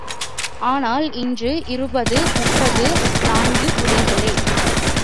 ஆனால், இன்று இருப்பது முப்பத்து நான்கு குடில்களே.